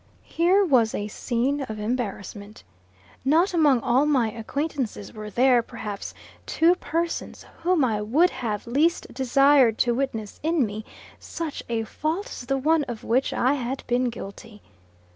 Here was a scene of embarrassment. Not among all my acquaintances were there, perhaps, two persons, whom I would have least desired to witness in me such a fault as the one of which I had been guilty.